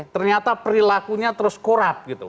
ternyata perilakunya terus korup gitu